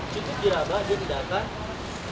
tutup dirabah ditindakan